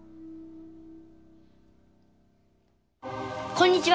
こんにちは。